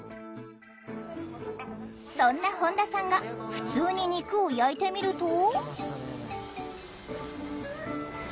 そんな本田さんがふつうに肉を焼いてみると。